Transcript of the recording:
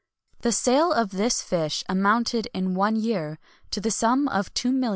The sale of this fish amounted, in one year, to the sum of £2,650,000.